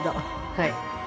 はい。